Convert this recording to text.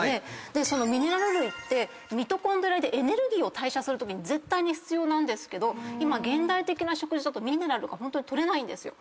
そのミネラル類ってエネルギーを代謝するときに絶対に必要なんですけど今現代的な食事だとミネラルがホントに取れないんですよ。